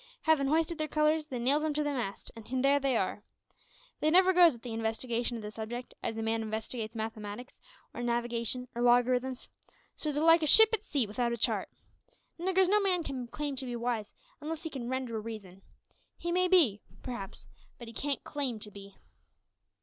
Havin' hoisted their colours, they nails 'em to the mast; an' there they are! They never goes at the investigation o' the subject as a man investigates mathematics, or navigation, or logarithms; so they're like a ship at sea without a chart. Niggers, no man can claim to be wise unless he can `render a reason.' He may be, p'raps, but he can't claim to be.